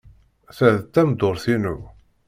Ta d tameddurt-inu.